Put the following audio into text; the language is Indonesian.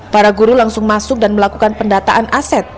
para guru langsung masuk dan melakukan pendataan aset